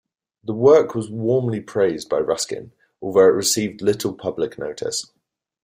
The work was warmly praised by Ruskin, although it received little public notice.